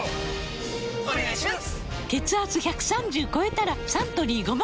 お願いします！！！